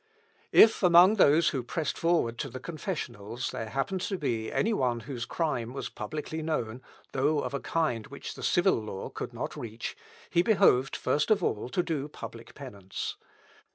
If among those who pressed forward to the confessionals, there happened to be any one whose crime was publicly known, though of a kind which the civil law could not reach, he behoved, first of all, to do public penance.